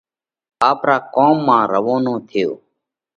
آپرا ڪوم مانه روَونو ٿيو۔